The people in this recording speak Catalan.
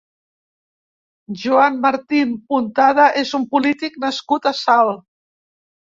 Joan Martín Puntada és un polític nascut a Salt.